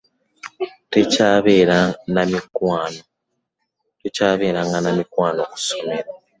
Teyabeeranga na mikwano ku ssomero.